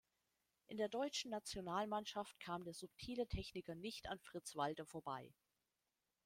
In der deutschen Nationalmannschaft kam der subtile Techniker nicht an Fritz Walter vorbei.